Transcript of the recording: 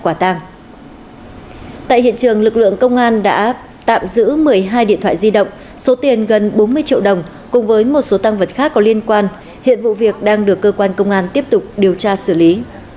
tại hiện trường lực lượng công an đã tạm giữ một mươi hai điện thoại di động số tiền gần bốn mươi triệu đồng cùng với một số tăng vật khác có liên quan hiện vụ việc đang được cơ quan công an tiếp tục điều tra xử lý